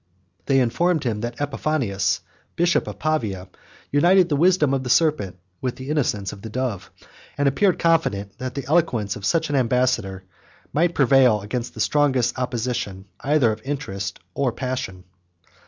They informed him, that Epiphanius, bishop of Pavia, 104 united the wisdom of the serpent with the innocence of the dove; and appeared confident, that the eloquence of such an ambassador must prevail against the strongest opposition, either of interest or passion.